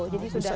jadi sudah lewat